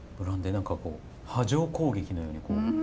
何かこう波状攻撃のように口ん中に。